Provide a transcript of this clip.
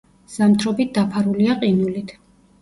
ზამთრობით დაფარულია ყინულით.